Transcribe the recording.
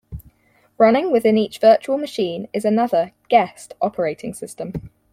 Running within each virtual machine is another, "guest" operating system.